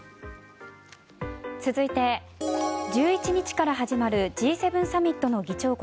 続いて、１１日から始まるＧ７サミットの議長国